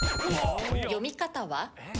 読み方は？